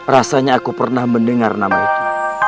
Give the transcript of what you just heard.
rasanya aku pernah mendengar nama itu